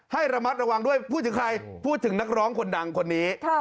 ให้ระมัดระวังด้วยพูดถึงใครพูดถึงนักร้องคนดังคนนี้